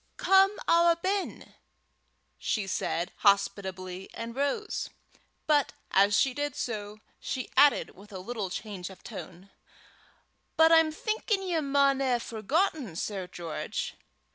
"Come awa ben," she said, hospitably, and rose. But as she did so, she added with a little change of tone, "But I'm thinkin' ye maun hae forgotten, Sir George.